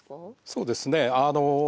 そうですね。